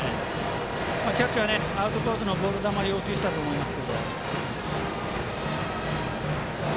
キャッチャー、アウトコースのボール球を要求したと思います。